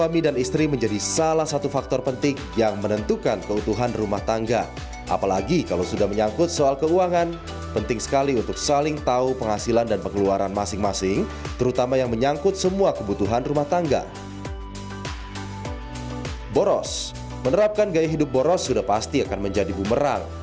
menerapkan gaya hidup boros sudah pasti akan menjadi bumerang